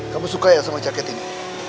kamu suka ya sama jaket ini